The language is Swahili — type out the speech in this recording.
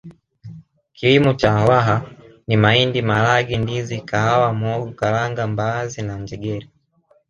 Kilimo cha Waha ni mahindi maharage ndizi kahawa mhogo karanga mbaazi na njegere